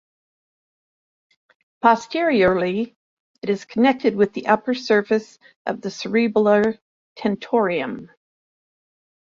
Posteriorly, it is connected with the upper surface of the cerebellar tentorium.